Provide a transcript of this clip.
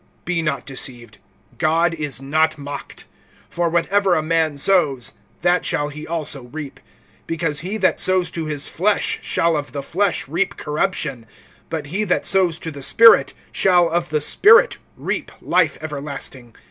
(7)Be not deceived; God is not mocked; for whatever a man sows, that shall he also reap. (8)Because he that sows to his flesh shall of the flesh reap corruption; but he that sows to the Spirit shall of the Spirit reap life everlasting.